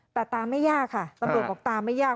แต่ตามไม่ยากค่ะตำรวจบอกตามไม่ยาก